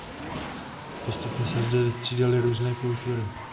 Postupně se zde vystřídaly různé kultury.